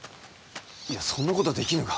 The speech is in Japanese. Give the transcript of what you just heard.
いやそんなことはできぬが。